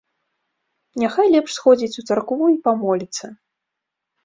Няхай лепш сходзіць у царкву і памоліцца.